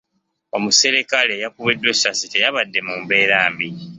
Omuserikale eyakubiddwa essasi teyabadde mu mbeera mbi.